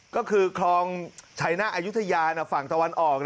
ก็คือคลองชัยหน้าอายุทยาฝั่งตะวันออก